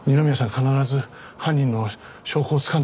必ず犯人の証拠をつかんでくれるだろ？